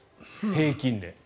平均で。